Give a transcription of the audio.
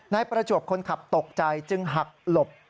นายประจวบคนขับตกใจจึงหักหลบ